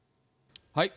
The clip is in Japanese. はい。